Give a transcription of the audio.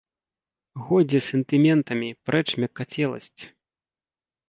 Годзе з сентыментамі, прэч мяккацеласць!